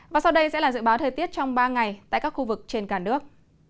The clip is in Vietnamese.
và sau đây sẽ là dự báo thời tiết trong ba ngày tại các khu vực trên cả nước